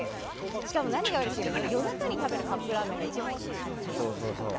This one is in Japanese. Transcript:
しかも何がうれしいって夜中に食べるカップ麺が一番おいしいですよね。